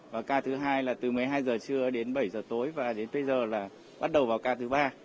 và ca thứ hai là từ một mươi hai h trưa đến bảy giờ tối và đến bây giờ là bắt đầu vào ca thứ ba